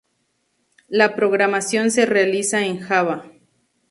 La programación se realiza en Java.